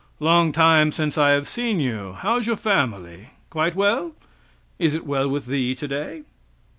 Long time since I have seen you; how's your family? Quite well? Is it well with thee today?